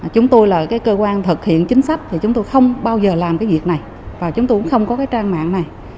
chúng tôi là cơ quan thực hiện chính sách thì chúng tôi không bao giờ làm việc này và chúng tôi cũng không có trang mạng này